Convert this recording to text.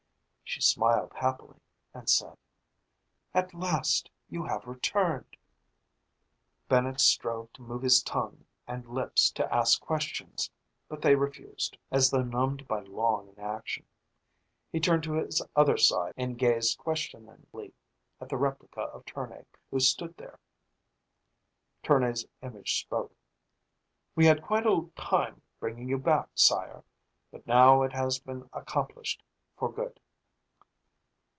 She smiled happily and said, "At last you have returned." Bennett strove to move his tongue and lips to ask questions, but they refused, as though numbed by long inaction. He turned to his other side and gazed questioningly at the replica of Tournay who stood there. Tournay's image spoke. "We had quite a time bringing you back, Sire. But now it has been accomplished for good."